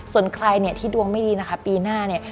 ส่วนใครเนี่ยที่ดวงไม่ดีนะคะปีหน้าเนี่ย